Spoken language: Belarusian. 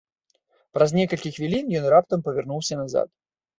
Праз некалькі хвілін ён раптам павярнуўся назад.